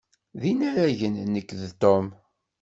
D inaragen nekk d Tom.